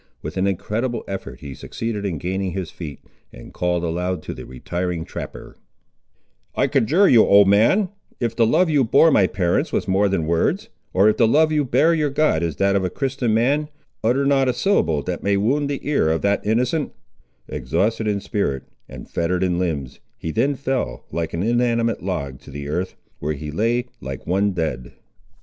With an incredible effort he succeeded in gaining his feet, and called aloud to the retiring trapper— "I conjure you, old man, if the love you bore my parents was more than words, or if the love you bear your God is that of a Christian man, utter not a syllable that may wound the ear of that innocent—" Exhausted in spirit and fettered in limbs, he then fell, like an inanimate log, to the earth, where he lay like one dead.